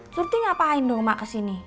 surti ngapain dong mak kesini